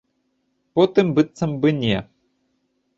Потым, быццам бы, не.